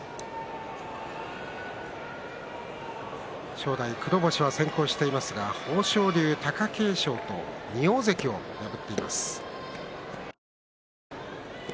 正代、黒星は先行していますが豊昇龍、貴景勝と２大関を破っています。